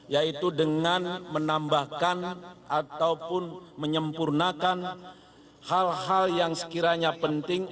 yaitu dengan menambahkan ataupun menyempurnakan hal hal yang sekiranya penting